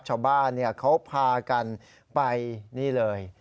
ชาวบ้านเขาพากันไปนี่เลย